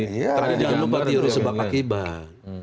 tadi dianggap itu sebab akibat